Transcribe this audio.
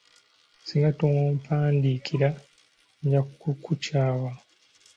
Singa tompandiikira, nja kukukyawa.